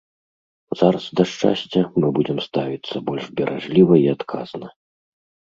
Зараз да шчасця мы будзем ставіцца больш беражліва і адказна.